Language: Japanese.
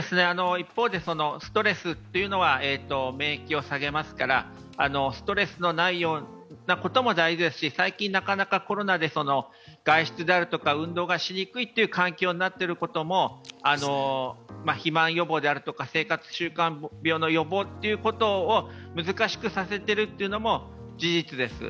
一方で、ストレスというのは免疫を下げますからストレスのないようなことも大事ですし最近、なかなかコロナで外出であるとか運動がしにくいという環境になっていることも肥満予防であるとか、生活習慣病の予防ということを難しくさせているというのも事実です。